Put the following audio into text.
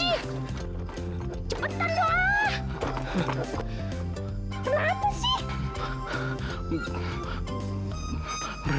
cepetan dong mak